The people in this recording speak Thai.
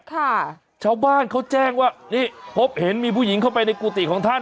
ค่ะชาวบ้านเขาแจ้งว่านี่พบเห็นมีผู้หญิงเข้าไปในกุฏิของท่าน